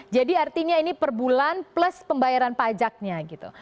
jadi artinya ini per bulan plus pembayaran pajaknya gitu